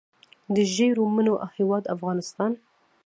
د ژیړو مڼو هیواد افغانستان.